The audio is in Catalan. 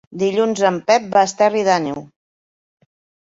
Dilluns en Pep va a Esterri d'Àneu.